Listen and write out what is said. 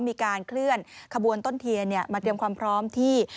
มีการเคลื่อนขบวนต้นเทียนมาเตรียมความพร้อมที่